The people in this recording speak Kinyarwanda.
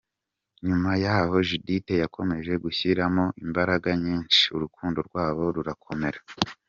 Nyuma y’aho Judithe yakomeje gushyiramo imbaraga nyinshi urukundo rwabo rurakomera.